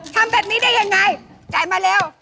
ทำแบบนี้ได้ยังไงจ่ายมาเร็ว